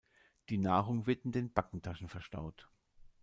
Die Nahrung wird in den Backentaschen verstaut.